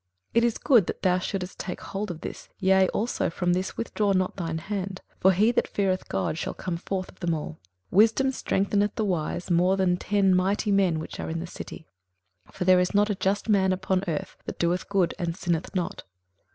21:007:018 It is good that thou shouldest take hold of this; yea, also from this withdraw not thine hand: for he that feareth God shall come forth of them all. 21:007:019 Wisdom strengtheneth the wise more than ten mighty men which are in the city. 21:007:020 For there is not a just man upon earth, that doeth good, and sinneth not.